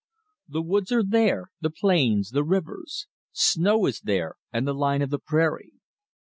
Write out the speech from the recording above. The woods are there, the plains, the rivers. Snow is there, and the line of the prairie.